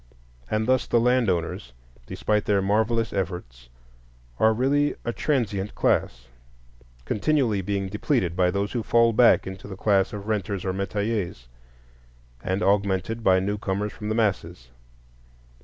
And thus the land owners, despite their marvellous efforts, are really a transient class, continually being depleted by those who fall back into the class of renters or metayers, and augmented by newcomers from the masses.